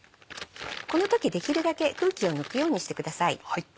この時できるだけ空気を抜くようにしてください。